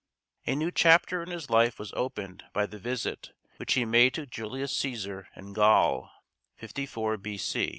A new chapter in his life was opened by the visit which he made to Julius Cæsar in Gaul (54 B.